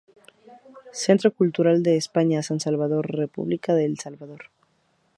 Centro Cultural de España, San Salvador, República de El Salvador.